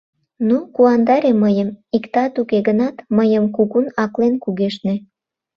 — Ну, куандаре мыйым, иктат уке гынат, мыйым кугун аклен кугешне!